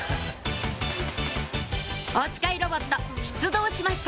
おつかいロボット出動しました